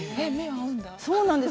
そうなんです。